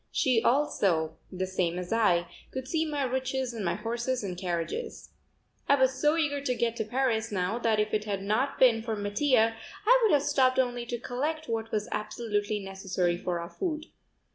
She also, the same as I, could see my riches and my horses and carriages. I was so eager to get to Paris now that if it had not been for Mattia I would have stopped only to collect what was absolutely necessary for our food.